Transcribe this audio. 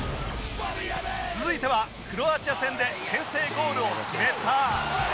続いてはクロアチア戦で先制ゴールを決めた